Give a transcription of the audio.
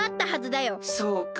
そうか。